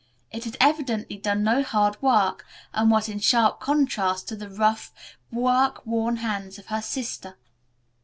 It had evidently done no hard work and was in sharp contrast to the rough, work worn hands of her sister.